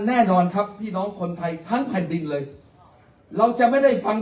แน่นอนครับพี่น้องคนไทยทั้งแผ่นดินเลยเราจะไม่ได้ฟัง